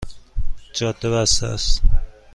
جاده بسته است